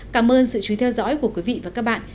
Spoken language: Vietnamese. cảm ơn sự chú ý theo dõi của quý vị và các bạn